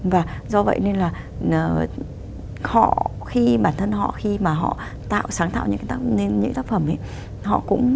và do vậy nên là họ khi bản thân họ khi mà họ tạo sáng tạo những tác phẩm ấy